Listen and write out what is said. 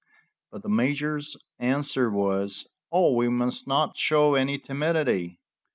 But the major's answer was, "Oh, we must not show any timidity."